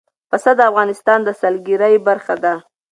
پسه د افغانستان د سیلګرۍ برخه ده.